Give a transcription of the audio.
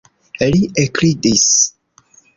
Li ekridis.